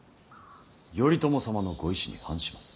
頼朝様のご遺志に反します。